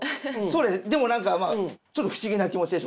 でも何かまあちょっと不思議な気持ちで。